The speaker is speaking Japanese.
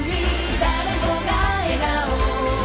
「誰もが笑顔」